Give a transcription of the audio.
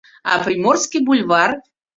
А Приморский бульвар!